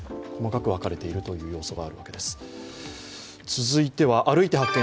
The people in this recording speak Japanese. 続いては、「歩いて発見！